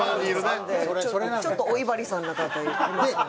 ちょっとお威張りさんな方いますよね。